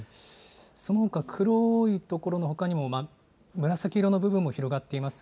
そのほか、黒い所のほかにも紫色の所も広がっています。